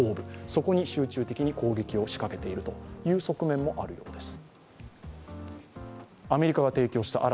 そこに集中的に攻撃をしかけているという側面もあるようです。